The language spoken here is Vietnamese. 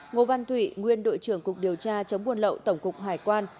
ngô văn thủy nguyên đội trưởng cục điều tra chống buôn lậu tổng cục hải quan